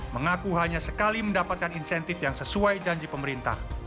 mengaku hanya sekali mendapatkan insentif yang sesuai janji pemerintah